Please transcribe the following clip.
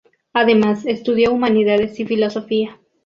Además estudió Humanidades y Filosofía.